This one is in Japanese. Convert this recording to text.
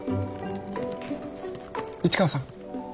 市川さん。